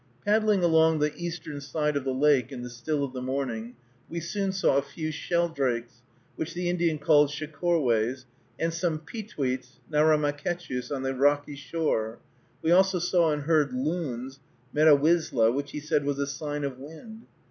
Paddling along the eastern side of the lake in the still of the morning, we soon saw a few sheldrakes, which the Indian called Shecorways, and some peetweets, Naramekechus, on the rocky shore; we also saw and heard loons, Medawisla, which he said was a sign of wind.